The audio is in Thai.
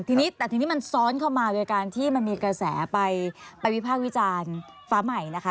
ทีนี้แต่ทีนี้มันซ้อนเข้ามาโดยการที่มันมีกระแสไปวิพากษ์วิจารณ์ฟ้าใหม่นะคะ